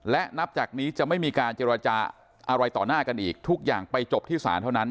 และนับจากนี้จะไม่มีการเจรจาอะไรต่อหน้ากันอีกทุกอย่างไปจบที่ศาลเท่านั้น